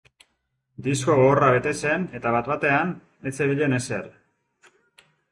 Disko gogorra bete zen eta bat batean ez zebilen ezer.